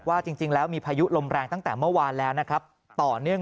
ว่าจริงแล้วมีพายุลมแรงตั้งแต่เมื่อวานแล้วนะครับต่อเนื่อง